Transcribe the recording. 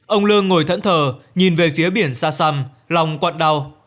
ông lương ngồi thẫn thờ nhìn về phía biển xa xăm lòng quạt đau